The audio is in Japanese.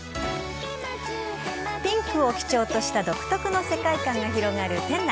ピンクを基調とした独特の世界観が広がる店内。